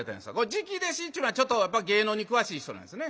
「直弟子」ちゅうのはちょっとやっぱ芸能に詳しい人なんですね。